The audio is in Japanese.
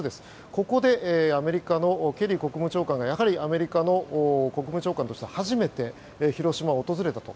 ここでアメリカのケリー国務長官がやはり、アメリカの国務長官としては初めて広島を訪れたと。